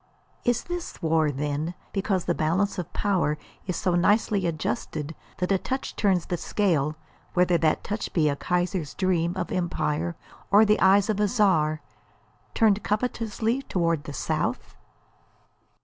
Is this war, then, because the balance of power is so nicely adjusted that a touch turns the scale, whether that touch be a Kaiser's dream of empire or the eyes of a Czar turned covetously toward the South?